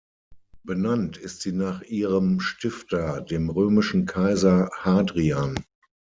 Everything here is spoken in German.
Benannt ist sie nach ihrem Stifter, dem römischen Kaiser Hadrian.